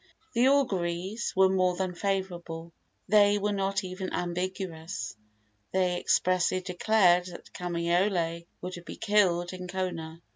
The auguries were more than favorable. They were not even ambiguous. They expressly declared that Kamaiole would be killed in Kona.